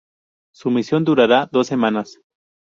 Su misión durará dos semanas.